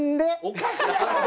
おかしい。